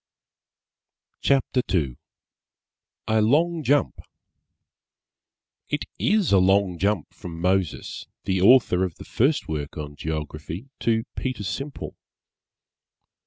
CHAPTER II A LONG JUMP It is a long jump from Moses, the author of the first work on Geography, to Peter Simple.